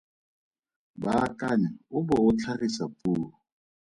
Baakanya o bo o tlhagisa puo.